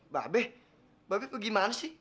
ba be ba be kok gimana sih